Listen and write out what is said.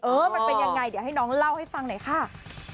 มันเป็นยังไงเดี๋ยวให้น้องเล่าให้ฟังหน่อยค่ะ